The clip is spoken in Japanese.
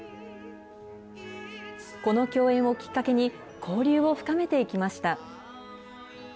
この共演をきっかけに、交流を深めていきました。